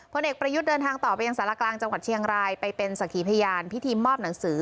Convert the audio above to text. เด็กประยุทธ์เดินทางต่อไปยังสารกลางจังหวัดเชียงรายไปเป็นสักขีพยานพิธีมอบหนังสือ